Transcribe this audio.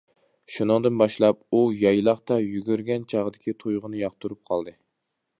شۇنىڭدىن باشلاپ، ئۇ يايلاقتا يۈگۈرگەن چاغدىكى تۇيغۇنى ياقتۇرۇپ قالدى.